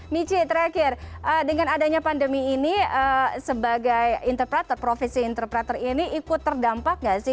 michi terakhir dengan adanya pandemi ini sebagai interpreter profesi interpreter ini ikut terdampak nggak sih